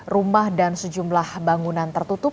rumah dan sejumlah bangunan tertutup